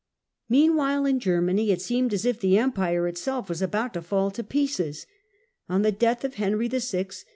Meanwhile in Germany it seemed as if the Empire itself were about to fall to pieces. On the death of Philip of Henry VI.